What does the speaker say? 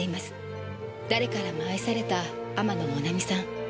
誰からも愛された天野もなみさん。